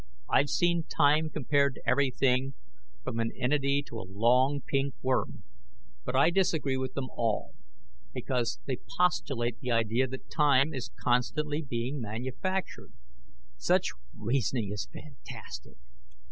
I've seen time compared to everything from an entity to a long, pink worm. But I disagree with them all, because they postulate the idea that time is constantly being manufactured. Such reasoning is fantastic!